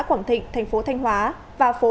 quảng thịnh thành phố thanh hóa và phố